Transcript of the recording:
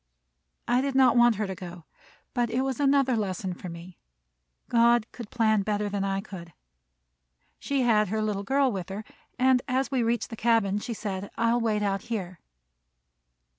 I did not want her to go, but it was another lesson for me. God could plan better than I could. She had her little girl with her, and as we reached the cabin, she said, "I will wait out here."